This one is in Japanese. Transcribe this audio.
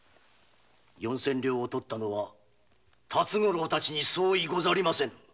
四千両を盗ったのは辰五郎たちに相違ござりませぬ。